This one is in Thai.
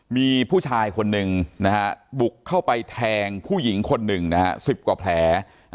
มีผู้ชายคนหนึ่งนะฮะบุกเข้าไปแทงผู้หญิงคนหนึ่งนะฮะ๑๐กว่าแผล